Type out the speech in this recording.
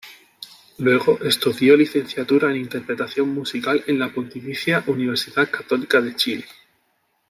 Luego estudió Licenciatura en Interpretación Musical en la Pontificia Universidad Católica de Chile.